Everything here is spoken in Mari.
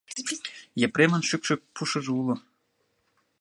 Епремын шӱкшӧ пушыжо уло.